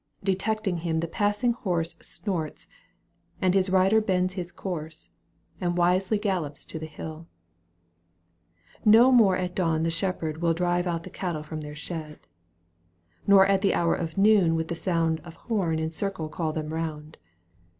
Detecting him the passing horse Snorts, and his rider bends his course And wisely gaHops to the hill. No more at dawn the shepherd will Drive out the cattle from their shed, Nor at the hour of noon with sound Of horn in circle caU them round.